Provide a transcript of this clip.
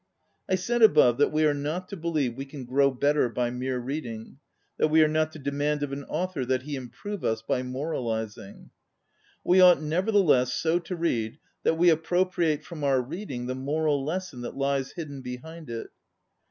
I said above that we are not to believe we can grow better by mere reading, that we are not to demand of an author that he improve us by moralizing. We ought nevertheless so to read that we appropriate from our reading the moral lesson that lies hidden behind it.